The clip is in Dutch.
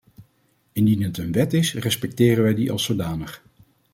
Indien het een wet is, respecteren wij die als zodanig.